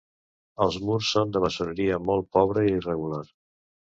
Els murs són de maçoneria molt pobre i irregular.